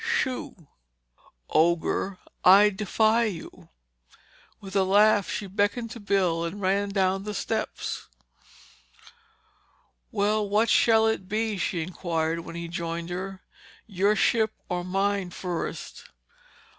Shoo!" "Ogre—I defy you!" With a laugh, she beckoned to Bill and ran down the steps. "Well, what shall it be?" she inquired when he joined her. "Your ship or mine, first?"